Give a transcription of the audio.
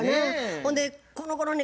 ほんでこのごろね